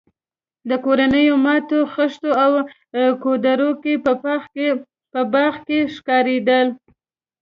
د کورونو ماتو خښتو او کودرکو په باغ کې ښکارېدل.